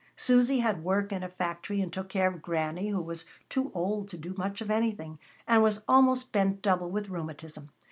Susy had work in a factory and took care of Granny, who was too old to do much of anything, and was almost bent double with rheumatism.